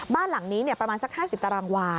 บ้านหลังนี้ประมาณสัก๕๐ตารางวา